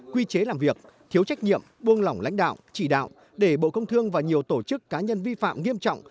quy chế làm việc thiếu trách nhiệm buông lỏng lãnh đạo chỉ đạo để bộ công thương và nhiều tổ chức cá nhân vi phạm nghiêm trọng